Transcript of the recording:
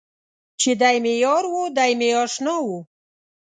چې دی مې یار و دی مې اشنا و.